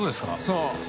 そう。